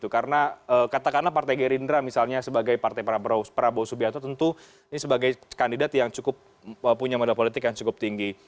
karena katakanlah partai gerindra misalnya sebagai partai prabowo subianto tentu ini sebagai kandidat yang cukup punya modal politik yang cukup tinggi